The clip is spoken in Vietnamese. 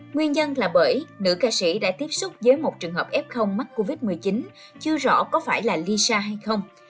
nguyên nhân là bởi nữ ca sĩ đã tiếp xúc với một trường hợp f mắc covid một mươi chín chưa rõ có phải là lisa hay không